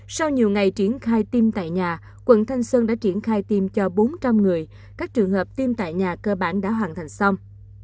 sau nhiều ngày triển khai tiêm tại nhà quận thanh xuân đã triển khai tiêm cho bốn trăm linh người các trường hợp tiêm tại nhà cơ bản đã hoàn thành xong